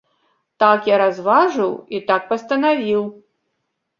Так я разважыў і так пастанавіў.